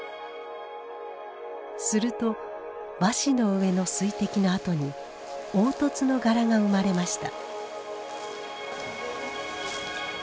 すると和紙の上の水滴の跡に凹凸の柄が生まれました。